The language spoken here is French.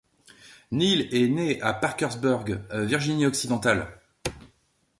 Neale est né à Parkersburg, Virginie-Occidentale.